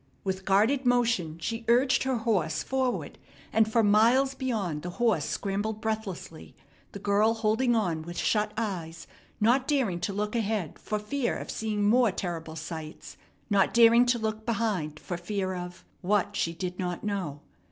With guarded motion she urged her horse forward, and for miles beyond the horse scrambled breathlessly, the girl holding on with shut eyes, not daring to look ahead for fear of seeing more terrible sights, not daring to look behind for fear of what she did not know.